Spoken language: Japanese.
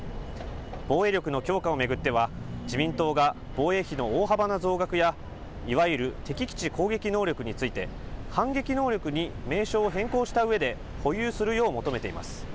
防衛力の強化を巡っては、自民党が防衛費の大幅な増額や、いわゆる敵基地攻撃能力について、反撃能力に名称を変更したうえで、保有するよう求めています。